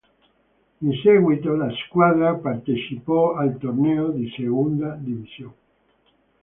In seguito la squadra partecipò al torneo di Segunda División.